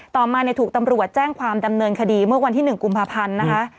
ต่อมาถูกตำรวจแจ้งความดำเนินคดีเมื่อวันที่๑กุมภาพันธ์นะคะ